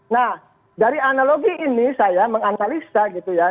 nah dari analogi ini saya menganalisa gitu ya